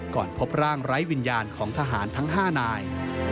พบร่างไร้วิญญาณของทหารทั้ง๕นาย